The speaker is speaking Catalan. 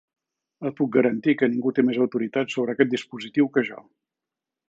Et puc garantir que ningú té més autoritat sobre aquest dispositiu que jo.